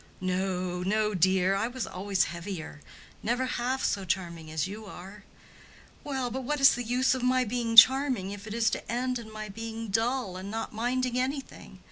"No, no, dear; I was always heavier. Never half so charming as you are." "Well, but what is the use of my being charming, if it is to end in my being dull and not minding anything?